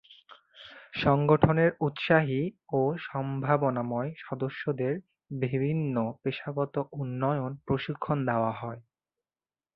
সংগঠনের উৎসাহী ও সম্ভাবনাময় সদস্যদের বিভিন্ন পেশাগত উন্নয়ন প্রশিক্ষণ দেয়া হয়।